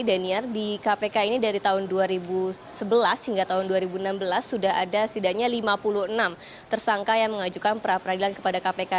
daniar di kpk ini dari tahun dua ribu sebelas hingga tahun dua ribu enam belas sudah ada setidaknya lima puluh enam tersangka yang mengajukan perapradilan kepada kpk